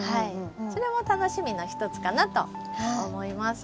それも楽しみのひとつかなと思います。